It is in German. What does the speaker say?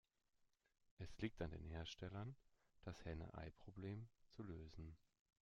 Es liegt an den Herstellern, das Henne-Ei-Problem zu lösen.